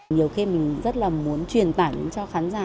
nhiều khi mình rất là muốn truyền tải cho khán giả